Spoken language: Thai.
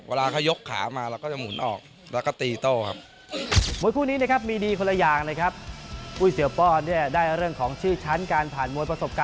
เวลาเขายกขามาเราก็จะหมุนออก